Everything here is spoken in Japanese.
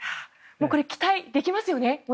期待できますよね？